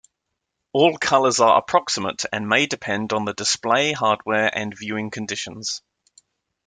All colors are approximate and may depend on the display hardware and viewing conditions.